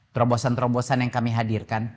terobosan terobosan yang kami hadirkan